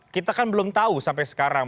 kita kan belum tahu sampai sekarang